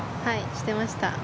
してました。